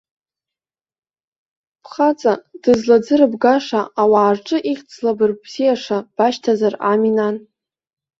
Бхаҵа дызлаӡырбгаша, ауаа рҿы ихьӡ злабырбзиаша башьҭазар ами, нан.